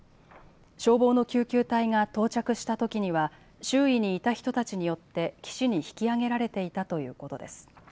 消防の救急隊が到着したときには周囲にいた人たちによって岸に引きあげられていたということです。